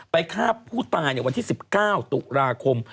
ฆ่าผู้ตายในวันที่๑๙ตุลาคม